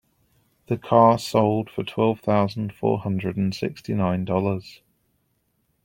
The car sold for twelve thousand four hundred and sixty nine dollars.